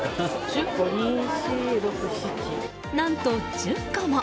何と、１０個も！